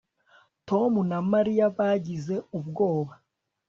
Tom na Mariya bagize ubwoba